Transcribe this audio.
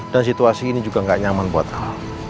dan situasi ini juga gak nyaman buat al